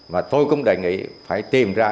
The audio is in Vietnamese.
và tôi cũng đề nghị phải tìm ra